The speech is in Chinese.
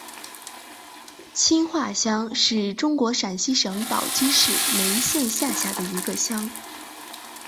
青化乡是中国陕西省宝鸡市眉县下辖的一个乡。